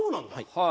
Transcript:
はい。